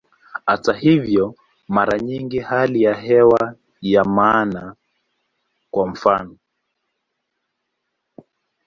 Hata hivyo, mara nyingi hali ya hewa ni ya maana, kwa mfano.